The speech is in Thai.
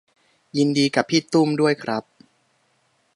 ยินดีกับพี่ตุ้มด้วยครับ